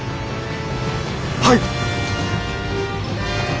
はい！